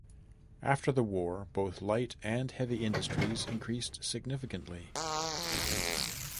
After the war both light and heavy industries increased significantly.